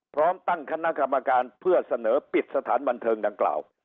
พร้อมตั้งคณะกรรมการเพื่อเสนอปิดสถานบันเทิงดังกล่าว